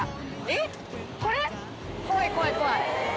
怖い怖い怖い。